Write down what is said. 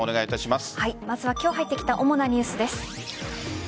まずは今日入ってきた主なニュースです。